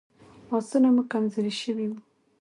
آسونه مو کمزوري شوي وو.